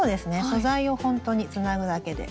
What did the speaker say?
素材をほんとにつなぐだけで。